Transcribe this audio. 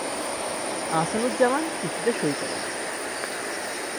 আহসান উজ জামান চুক্তিতে সই করেন।